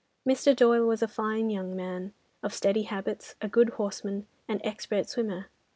Mr. Doyle was a fine young man, of steady habits, a good horseman and expert swimmer.